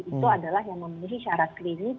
itu adalah yang memiliki syarat klinik